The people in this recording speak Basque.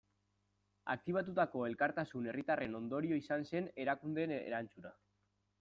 Aktibatutako elkartasun herritarraren ondorio izan zen erakundeen erantzuna.